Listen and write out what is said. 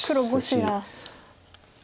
黒５子が。